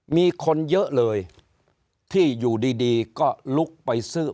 มีคนเยอะเลยที่อยู่ดีก็ลุกไปซื้อ